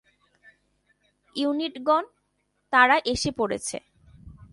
ইউনিটগণ, তারা এসে পড়েছে।